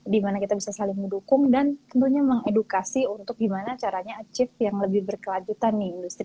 dimana kita bisa saling mendukung dan tentunya mengedukasi untuk gimana caranya achieve yang lebih berkelanjutan nih industri